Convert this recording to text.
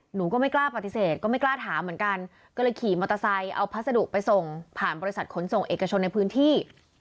หนูก็ไม่กล้าปฏิเสธก็ไม่กล้าถามเหมือนกันก็เลยขี่มอเตอร์ไซค์เอาพัสดุไปส่งผ่านบริษัทขนส่งเอกชนในพื้นที่